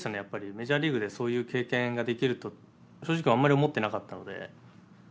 メジャーリーグでそういう経験ができると正直あんまり思ってなかったので。